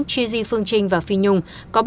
chi di phương trinh và phi nhung